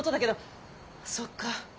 そっか。